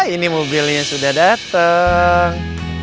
ini mobilnya sudah dateng